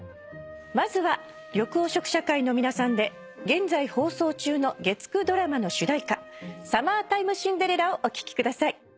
まずは緑黄色社会の皆さんで現在放送中の月９ドラマの主題歌『サマータイムシンデレラ』をお聴きください。